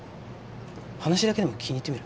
話だけでも聞きにいってみる？